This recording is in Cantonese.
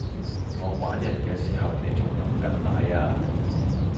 我玩人既時候你仲飲緊奶呀